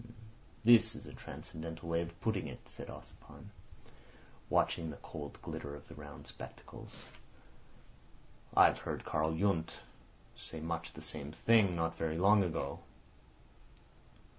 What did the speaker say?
"This is a transcendental way of putting it," said Ossipon, watching the cold glitter of the round spectacles. "I've heard Karl Yundt say much the same thing not very long ago."